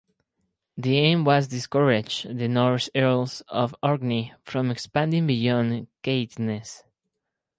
The aim was to discourage the Norse Earls of Orkney from expanding beyond Caithness.